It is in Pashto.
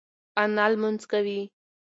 انا لمونځ کوي.